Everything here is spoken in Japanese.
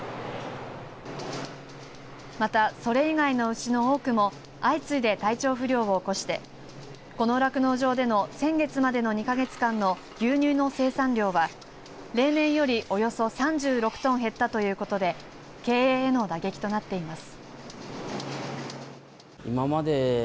また、それ以外の牛の多くも相次いで体調不良を起こしてこの酪農場での先月までの２か月間の牛乳の生産量は例年よりおよそ３６トン減ったということで経営への打撃となっています。